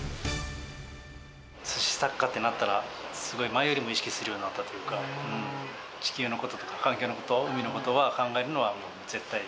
すし作家ってなったら、すごい前よりも意識するようになったというか、地球のこととか環境のこと、海のことを考えるのは絶対。